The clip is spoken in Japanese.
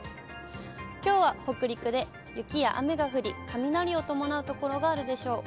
きょうは北陸で雪や雨が降り、雷を伴う所があるでしょう。